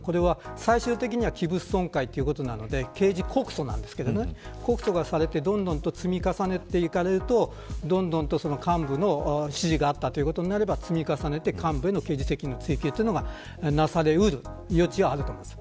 最終的には器物損壊ということで刑事告訴なんですが告訴がされて、どんどん積み重ねていくと幹部の指示があったということになれば積み重ねて幹部への刑事責任の追及がなされうる余地があります。